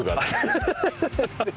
ハハハハ！